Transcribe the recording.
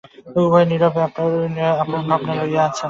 উভয়েই নীরবে আপন আপন ভাবনা লইয়া আছেন।